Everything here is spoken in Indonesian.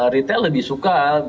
retail lebih suka